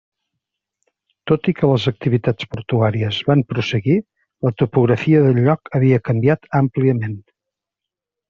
Tot i que les activitats portuàries van prosseguir, la topografia del lloc havia canviat àmpliament.